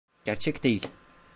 Gerçek değil.